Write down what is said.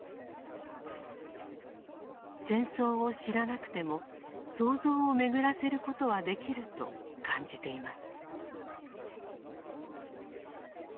戦争を知らなくても想像を巡らせることはできると感じています。